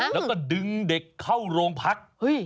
แล้วก็ดึงเด็กเข้าโรงพัก